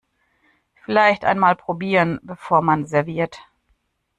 Vielleicht einmal probieren, bevor man serviert.